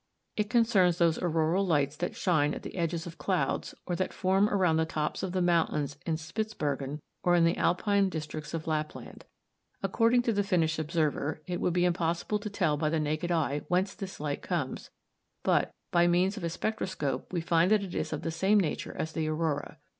It concerns those auroral lights that shine at the edges of clouds, or that form around the tops of the mountains in Spitzbergen or in the Alpine districts of Lapland. According to the Finnish observer, it would be impossible to tell by the naked eye whence this light comes, but, by means of a spectroscope, we find that it is of the same nature as the aurora.